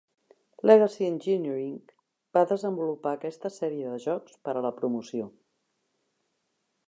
Legacy Engineering va desenvolupar aquesta sèrie de jocs per a la promoció.